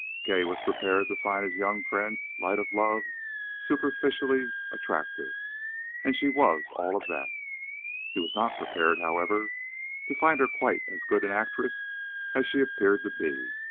Gray was prepared to find his young friend's light o' love superficially attractive, and she was all of that. He was not prepared, however, to find her quite as good an actress as she appeared to be.